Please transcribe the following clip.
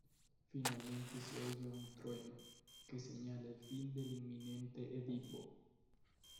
Finalmente se oye un trueno, que señala el fin inminente de Edipo.